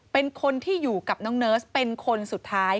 เป็นคนที่อยู่กับน้องเนิร์สเป็นคนสุดท้าย